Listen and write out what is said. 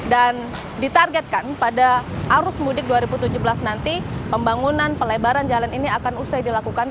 dan ditargetkan pada arus mudik dua ribu tujuh belas nanti pembangunan pelebaran jalan ini akan usai dilakukan